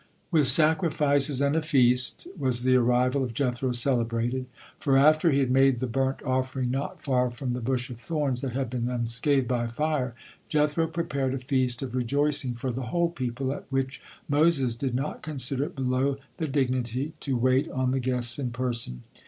With sacrifices and a feast was the arrival of Jethro celebrated, for after he had made the burnt offering not far from the bush of thorns that had been unscathed by fire, Jethro prepared a feast of rejoicing for the whole people, at which Moses did not consider it below the dignity to wait on the guests in person.